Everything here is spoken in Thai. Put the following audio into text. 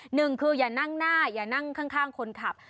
หนึ่งคืออย่านั่งหน้าอย่านั่งข้างคนขับ